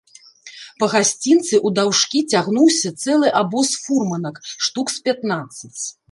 Па гасцінцы ўдаўжкі цягнуўся цэлы абоз фурманак, штук з пятнаццаць.